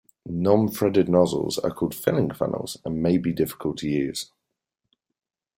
Non-threaded nozzles are called filling funnels and may be difficult to use.